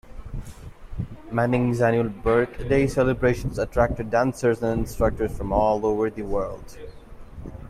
Manning's annual birthday celebrations attracted dancers and instructors from all over the world.